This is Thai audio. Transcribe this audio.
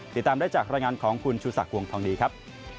ติดตามได้จากรายงานของคุณชูศักดิ์วงทองดีครับ